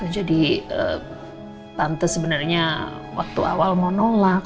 jadi tante sebenarnya waktu awal mau nolak